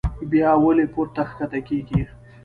بيا ولې پورته کښته کيږي